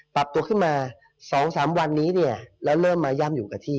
ปรับตัวขึ้นมา๒๓วันนี้เนี่ยแล้วเริ่มมาย่ำอยู่กับที่